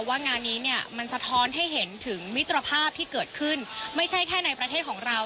ว่างานนี้เนี่ยมันสะท้อนให้เห็นถึงมิตรภาพที่เกิดขึ้นไม่ใช่แค่ในประเทศของเรา